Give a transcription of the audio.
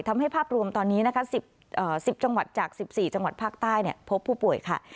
ภาพรวมตอนนี้นะคะ๑๐จังหวัดจาก๑๔จังหวัดภาคใต้พบผู้ป่วยค่ะ